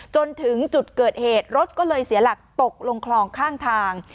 จนถึงจุดเกิดเหตุรถก็เลยเสียหลักตกลงคลองข้างทาง